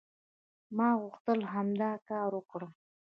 ما غوښتل همدا کار وکړم".